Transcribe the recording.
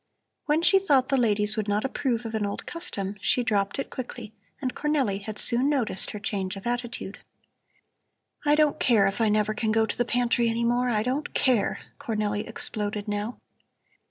When she thought the ladies would not approve of an old custom, she dropped it quickly, and Cornelli had soon noticed her change of attitude. "I don't care if I never can go to the pantry any more, I don't care," Cornelli exploded now.